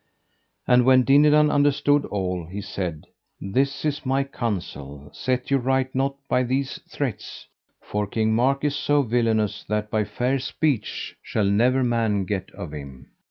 And when Dinadan understood all, he said: This is my counsel: set you right nought by these threats, for King Mark is so villainous, that by fair speech shall never man get of him.